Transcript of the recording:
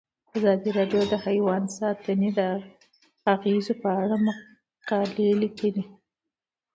ازادي راډیو د حیوان ساتنه د اغیزو په اړه مقالو لیکلي.